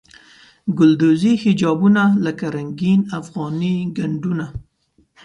ګلدوزي حجابونه لکه رنګین افغاني ګنډونه.